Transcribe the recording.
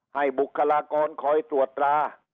บุคลากรคอยตรวจตรา